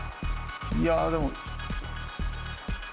いやでも。